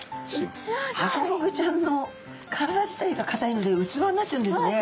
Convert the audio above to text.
ハコフグちゃんの体自体がかたいので器になっちゃうんですね。